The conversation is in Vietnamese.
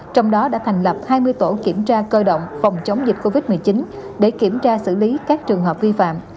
trong đó đã thành lập hai mươi tổ kiểm tra cơ động phòng chống dịch covid một mươi chín để kiểm tra xử lý các trường hợp vi phạm